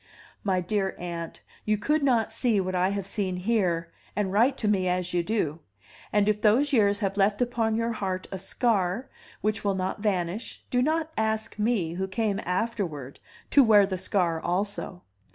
My dear aunt, you could not see what I have seen here, and write to me as you do; and if those years have left upon your heart a scar which will not vanish, do not ask me, who came afterward, to wear the scar also.